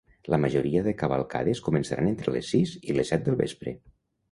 La majoria de cavalcades començaran entre les sis i les set del vespre.